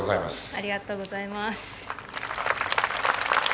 ありがとうございます。